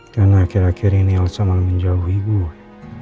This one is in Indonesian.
karena akhir akhir ini yalsa malah menjauhi gue